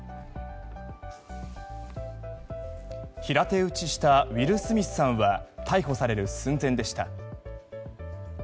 平手打ちしたウィル・スミスさんは逮捕される寸前でした。